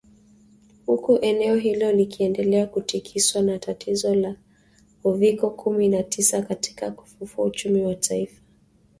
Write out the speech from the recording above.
huku eneo hilo likiendelea kutikiswa na tatizo la UVIKO kumi na tisa katika kufufua uchumi wa taifa